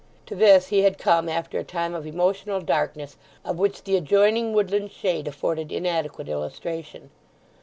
To this he had come after a time of emotional darkness of which the adjoining woodland shade afforded inadequate illustration.